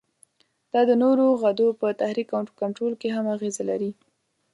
دا د نورو غدو په تحریک او کنترول کې هم اغیزه لري.